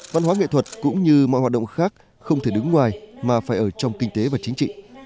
văn hóa nghệ thuật cũng như mọi hoạt động khác không thể đứng ngoài mà phải ở trong kinh tế và chính trị